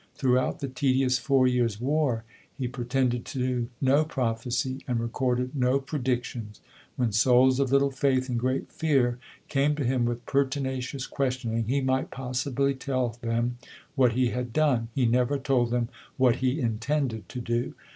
Through out the tedious four years' war he pretended to no prophecy and recorded no predictions. When souls of httle faith and great fear came to him with per tinacious questioning, he might possibly tell them what he had done ; he never told them what he in tended to do.